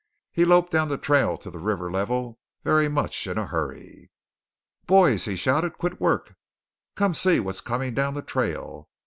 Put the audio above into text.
He loped down the trail to the river level very much in a hurry. "Boys!" he shouted, "quit work! Come see what's coming down the trail!"